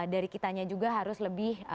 dari kitanya juga harus lebih